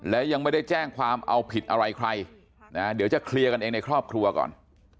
และยังไม่ได้แจ้งความเอาผิดอะไรใครนะเดี๋ยวจะเคลียร์กันเองในครอบครัวก่อน